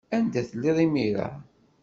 Anda telliḍ imir-a?